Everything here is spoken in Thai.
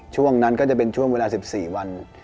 ช่วงนั้นก็จะเป็นช่วงเวลา๑๔วัน